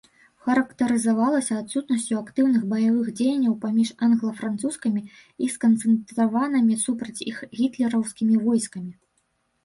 Характарызавалася адсутнасцю актыўных баявых дзеянняў паміж англа-французскімі і сканцэнтраванымі супраць іх гітлераўскімі войскамі.